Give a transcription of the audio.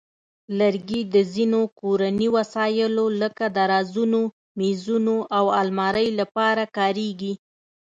لرګي د ځینو کورني وسایلو لکه درازونو، مېزونو، او المارۍ لپاره کارېږي.